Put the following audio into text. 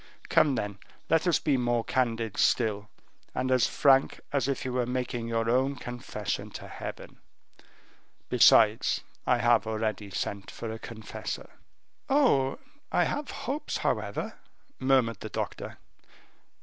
Come, then, let us be more candid still, and as frank as if you were making your own confession to Heaven. Besides, I have already sent for a confessor." "Oh! I have hopes, however," murmured the doctor.